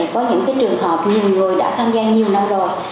có những trường hợp nhiều người đã tham gia nhiều năm rồi